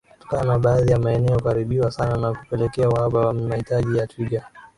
Kutokana na baadhi ya maeneo kuharibiwa sana na kupelekea uhaba wa mahitaji ya twiga